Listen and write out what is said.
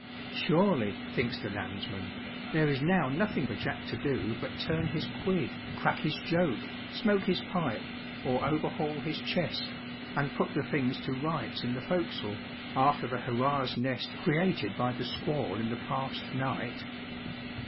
Surely, thinks the landsman, there is now nothing for Jack to do but turn his quid, crack his joke, smoke his pipe, or overhaul his chest, and put the things to rights in the forecastle, after the 'hurrah's nest' created by the squall in the past night?